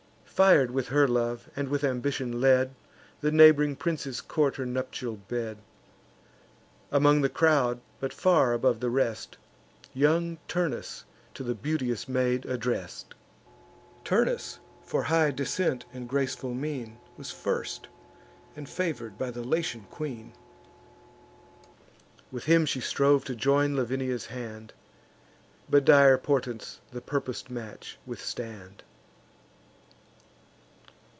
Fir'd with her love, and with ambition led, The neighb'ring princes court her nuptial bed. Among the crowd, but far above the rest, Young Turnus to the beauteous maid address'd. Turnus, for high descent and graceful mien, Was first, and favour'd by the Latian queen; With him she strove to join Lavinia's hand, But dire portents the purpos'd match withstand.